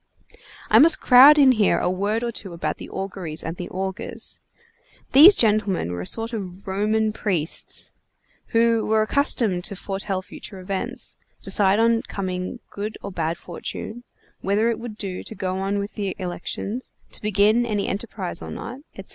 I must crowd in here a word or two about the Auguries and the Augurs. These gentlemen were a sort of Roman priests, who were accustomed to foretell future events, decide on coming good or bad fortune, whether it would do to go on with the elections, to begin any enterprise or not, etc.